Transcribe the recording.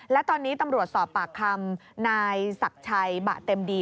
และตอนนี้ตำรวจสอบปากคำนายศักดิ์ชัยบะเต็มดี